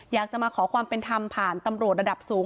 อยากจะมาขอความเป็นธรรมผ่านตำรวจระดับสูง